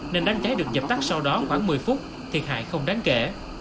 nên đám cháy được dập tắt sau đó khoảng một mươi phút thiệt hại không đáng kể